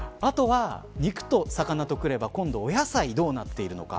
あとは、肉と魚とくれば今度は、お野菜がどうなっているのか。